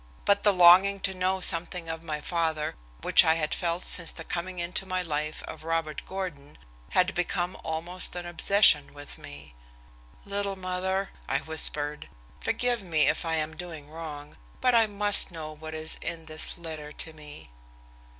But the longing to know something of my father, which I had felt since the coming into my life of Robert Gordon, had become almost an obsession, with me. "Little mother," I whispered, "forgive me if I am doing wrong, but I must know what is in this letter to me."